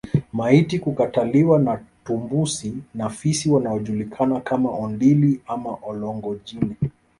Maiti kukataliwa na tumbusi na fisi wanaojulikana kama Ondili ama Olngojine